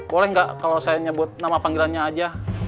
boleh nggak kalau saya nyebut nama panggilannya aja